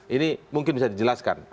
ini mungkin bisa dijelaskan